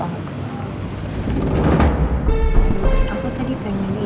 aku tadi pengen ini sih